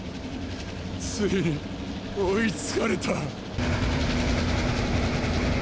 ついに追いつかれた。